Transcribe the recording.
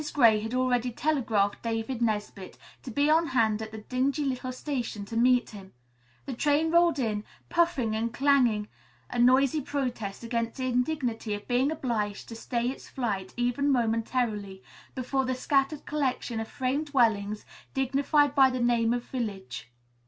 Gray had already telegraphed David Nesbit to be on hand at the dingy little station to meet him. The train rolled into it, puffing and clanging a noisy protest against the indignity of being obliged to stay its flight, even momentarily, before the scattered collection of frame dwellings dignified by the name of village.